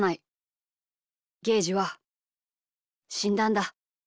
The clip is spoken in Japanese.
ゲージはしんだんだ。